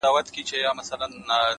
زموږ پر زخمونو یې همېش زهرپاشي کړې ده،